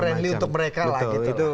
jadi untuk mereka lah gitu